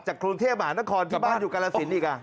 กรุงเทพมหานครที่บ้านอยู่กาลสินอีก